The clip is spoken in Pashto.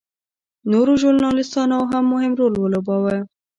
نورو ژورنالېستانو هم مهم رول ولوباوه.